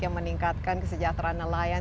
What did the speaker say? yang meningkatkan kesejahteraan nelayan